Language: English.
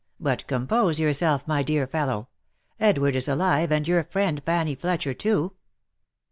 But compose yourself, my dear fellow ! Edward is alive, and your friend Fanny Fletcher too."